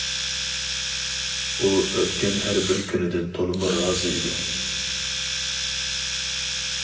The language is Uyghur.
ئۇ ئۆتكەن ھەر بىر كۈنىدىن تولىمۇ رازى ئىدى.